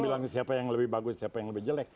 bilang siapa yang lebih bagus siapa yang lebih jelek